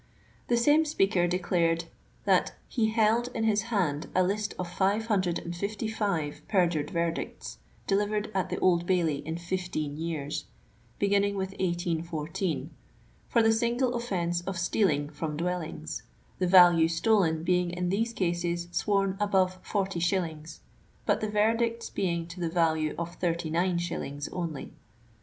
"^ The same speaker declared that he held in his hand a list of 555 perjured verdicts, delivered at the Old Bailey in fifteen years, beginning with 1814, for the single offense of stealing from dwellings, the value stolen being in these cases sworn above forty shillings, but the verdicts being * to the value of thirty nine shillings' only.